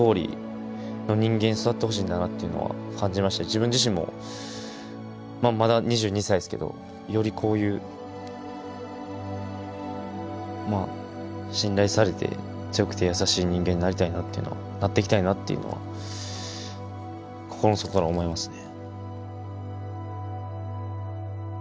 自分自身もまだ２２歳ですけどよりこういうまあ信頼されて強くて優しい人間になっていきたいなっていうのは心の底から思いますね。